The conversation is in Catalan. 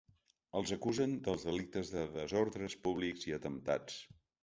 Els acusen dels delictes de desordres públics i atemptats.